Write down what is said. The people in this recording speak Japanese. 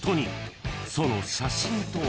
［その写真とは］